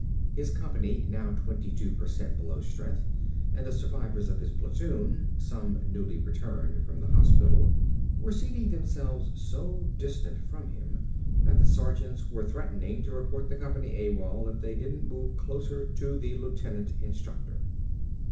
His company, now twenty two per cent below strength, and the survivors of his platoon, some newly returned from the hospital, were seating themselves so distant from him that the sergeants were threatening to report the company AWOL if they didn't move closer to the lieutenant instructor.